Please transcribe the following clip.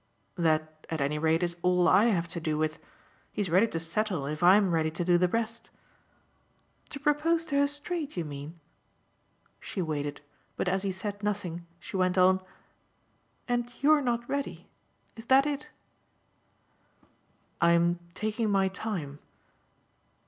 "That, at any rate, is all I have to do with. He's ready to settle if I'm ready to do the rest." "To propose to her straight, you mean?" She waited, but as he said nothing she went on: "And you're not ready. Is that it?" "I'm taking my time."